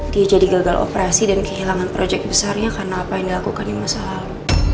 dia jadi gagal operasi dan kehilangan project besarnya karena apa yang dilakukan di masa lalu